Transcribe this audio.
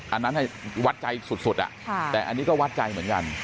อันนั้นให้วัดใจสุดสุดอ่ะค่ะแต่อันนี้ก็วัดใจเหมือนกัน